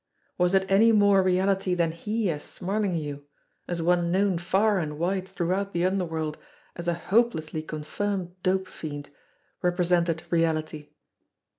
Was it any more reality than he, as Smarlinghue, as one known far and wide throughout the underworld as a hope lessly confirmed dope fiend, represented reality